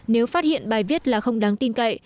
nếu phát hiện bài viết là không đáng tin cậy